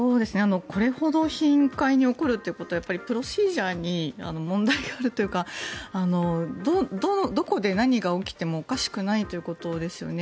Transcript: これほど頻回に起こるということはプロシージャーに問題があるというかどこで何が起きてもおかしくないということですよね。